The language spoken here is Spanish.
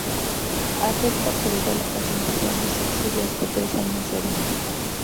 Afecta por igual a pacientes de ambos sexos de hasta tres años de edad.